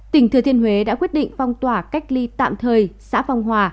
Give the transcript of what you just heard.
tỉnh thừa thiên huế đã quyết định phong tỏa cách ly tạm thời xã phong hòa